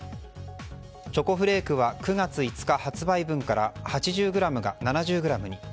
チョコフレークは９月５日発売分から８０ｇが７０ｇに。